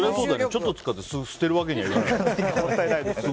ちょっと使って捨てるわけにはいかない。